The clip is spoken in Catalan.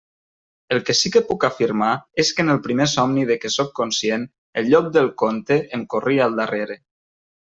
El que sí que puc afirmar és que en el primer somni de què sóc conscient, el llop del conte em corria al darrere.